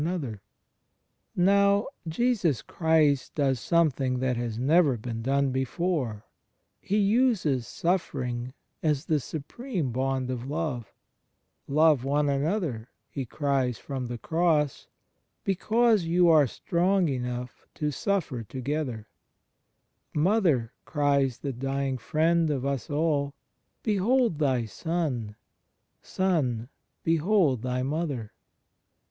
Lev. xiz : 18. ' John ziii : 35. 128 THE FRIENDSHIP OF CHRIST Now Jesus Christ does something that has never been done before. He uses suffering as the supreme bond of love. "Love one another," He cries from the Cross, "because you are strong enough to suffer together." "Mother," cries the dying Friend of us all, "behold thy son. Son, behold thy Mother!"